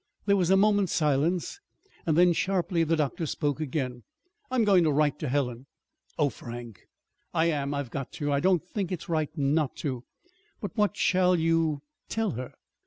There was a moment's silence; then, sharply, the doctor spoke again. "I'm going to write to Helen." "Oh, Frank!" "I am. I've got to. I don't think it's right not to." "But what shall you tell her?"